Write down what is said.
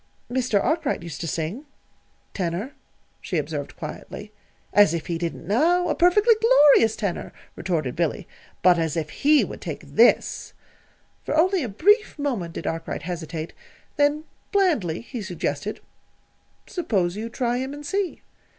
"Mr. Arkwright used to sing tenor," she observed quietly. "As if he didn't now a perfectly glorious tenor," retorted Billy. "But as if he would take this!" For only a brief moment did Arkwright hesitate; then blandly he suggested: "Suppose you try him, and see."